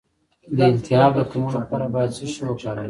د التهاب د کمولو لپاره باید څه شی وکاروم؟